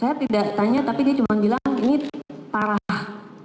saya tidak tanya tapi dia cuma bilang ini parah